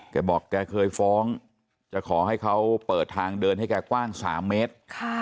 แกบอกแกเคยฟ้องจะขอให้เขาเปิดทางเดินให้แกกว้าง๓เมตร